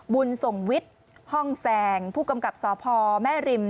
บุญส่งวิทย์ห้องแซงผู้กำกับสพแม่ริม